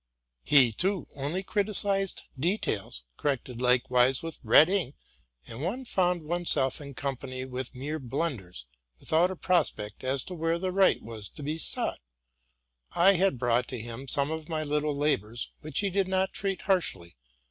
He, too, only criticised details, corrected likewise with red ink ; and one found one's self in company with mere blunders, without a prospect as to where the right was to be sought. I had brought to him some of my little labors, which he did not treat harshly.